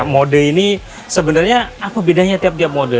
mode ini sebenarnya apa bedanya tiap tiap mode